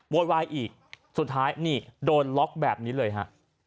โวยวายอีกสุดท้ายนี่โดนล็อกแบบนี้เลยฮะ